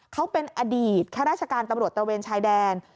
เขาเป็นอดีตข้าราชการตำรวจตระเวนชายแดน